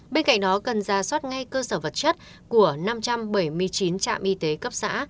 bên cạnh đó cần ra soát ngay cơ sở vật chất của năm trăm bảy mươi chín trạm y tế cấp xã